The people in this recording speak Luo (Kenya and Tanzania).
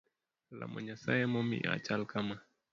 Lamo Nyasaye emomiyo achal kama